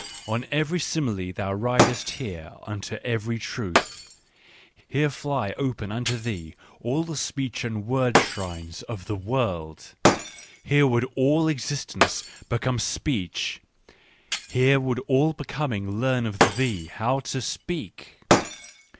On every simile thou ridest here unto every truth. Here fly open unto thee all the speech and word shrines of the world, here would all existence become speech, here would all Becoming learn of thee how to speak.")